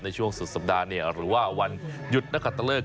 ในช่วงสุดสัปดาห์หรือว่าวันหยุดนักขัดตะเลิก